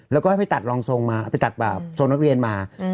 แล้วก็ให้ไปตัดรองทรงมาเอาไปตัดบาปทรงนักเรียนมา